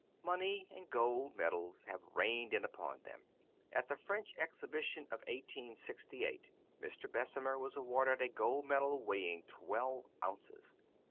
Money and gold medals have rained in upon them. At the French Exhibition of 1868 Mr. Bessemer was awarded a gold medal weighing twelve ounces.